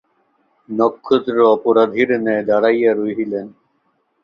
নক্ষত্র অপরাধীর ন্যায় দাঁড়াইয়া রহিলেন।